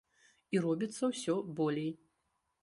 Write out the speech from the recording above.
І робіцца ўсё болей.